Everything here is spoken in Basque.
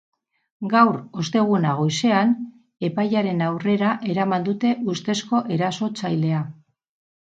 Gaur, osteguna, goizean, epailearen aurrera eraman dute ustezko erasotzailea.